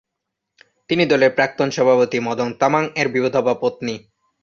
তিনি দলের প্রাক্তন সভাপতি মদন তামাং-এর বিধবা পত্নী।